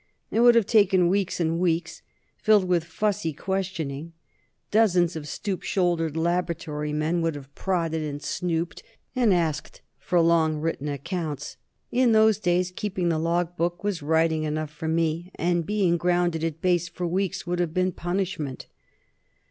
It would have taken weeks and weeks, filled with fussy questioning. Dozens of stoop shouldered laboratory men would have prodded and snooped and asked for long, written accounts. In those days, keeping the log book was writing enough for me and being grounded at Base for weeks would have been punishment.